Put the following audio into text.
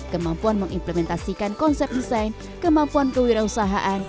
kemampuan mengimplementasikan konsep desain kemampuan kewirausahaan